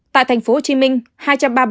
tại thành phố hồ chí minh hai trăm ba mươi ba